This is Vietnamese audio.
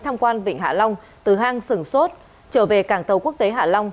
tham quan vịnh hạ long từ hang sửng sốt trở về cảng tàu quốc tế hạ long